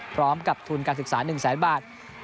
พร้อมกับทุนการศึกษา๑แสนบาท